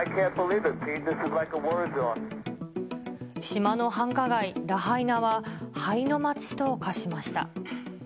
島の繁華街、ラハイナは、灰の街と化しました。